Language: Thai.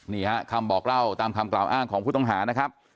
นี่ฮะคำบอกเล่าตามคำกล่าวอ้างของผู้ต้องหานะครับ